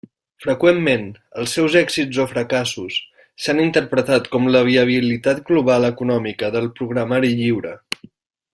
Freqüentment, els seus èxits o fracassos s'han interpretat com la viabilitat global econòmica del programari lliure.